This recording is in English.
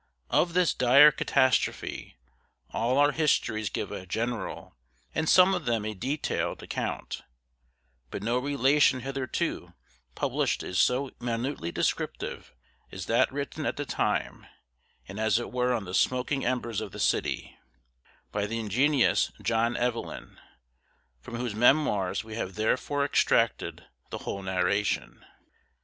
Of this dire catastrophe, all our histories give a general, and some of them a detailed, account; but no relation hitherto published is so minutely descriptive as that written at the time, and as it were on the smoking embers of the city, by the ingenious John Evelyn; from whose memoirs we have therefore extracted the whole narration.